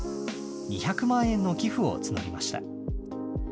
２００万円の寄付を募りました。